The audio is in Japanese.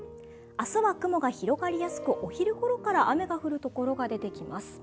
明日は雲が広がりやすく、お昼ごろから雨が降るところが出てきます。